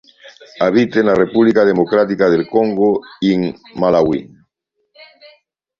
Habita en la República Democrática del Congo y en Malaui.